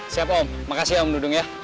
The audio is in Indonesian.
siap om makasih om dudung ya